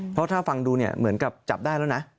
เพราะถ้าฟังดูเนี่ยเหมือนกับจับได้แล้วนะ